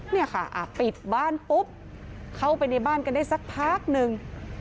เนี่ยค่ะปิดบ้านปุ๊บเข้าไปในบ้านกันได้สักพักหนึ่ง